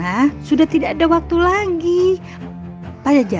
kita selama ini no nantinya melakukan satu perkara yang etor